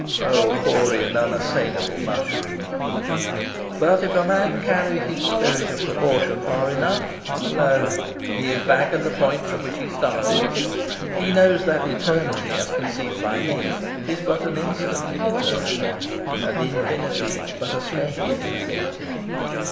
O hoary and unassailable mushroom!... But if a man carry his sense of proportion far enough, lo! he is back at the point from which he started. He knows that eternity, as conceived by him, is but an instant in eternity, and infinity but a speck in infinity.